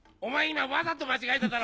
今わざと間違えただろ！